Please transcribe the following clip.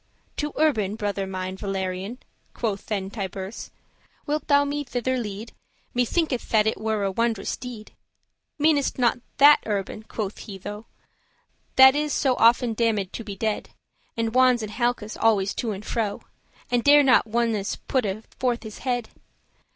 "To Urban? brother mine Valerian," Quoth then Tiburce; "wilt thou me thither lead? Me thinketh that it were a wondrous deed. "Meanest thou not that Urban," quoth he tho,* *then "That is so often damned to be dead, And wons* in halkes always to and fro, *dwells corners And dare not ones putte forth his head?